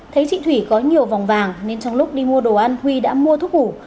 thấy chị thủy có nhiều vòng vàng nên trong lúc đi mua đồ ăn huy đã mua thuốc ngủ